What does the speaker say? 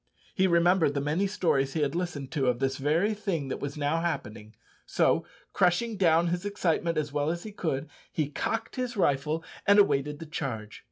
He remembered the many stories he had listened to of this very thing that was now happening; so, crushing down his excitement as well as he could, he cocked his rifle and awaited the charge.